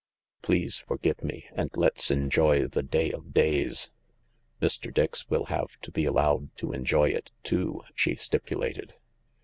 Please forgive me, and let's enjoy the day of days." " Mr. Dix will have to be allowed to enjoy it too," she stipulated.